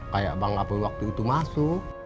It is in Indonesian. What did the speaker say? kayak bang apul waktu itu masuk